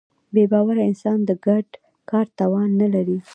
بېباوره انسان د ګډ کار توان نهلري.